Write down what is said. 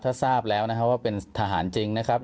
ถ้าทราบแล้วนะครับว่าเป็นทหารจริงนะครับ